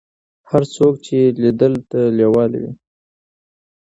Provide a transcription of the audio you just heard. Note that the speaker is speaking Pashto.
چې هر څوک یې لیدلو ته لیواله وي.